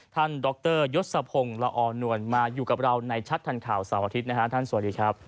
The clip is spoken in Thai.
ดรยศพงศ์ละออนวลมาอยู่กับเราในชัดทันข่าวเสาร์อาทิตย์นะฮะท่านสวัสดีครับ